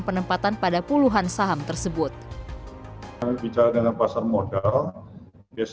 penempatan pada puluhan saham tersebut kita dalam pasar modal